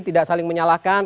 tidak saling menyalahkan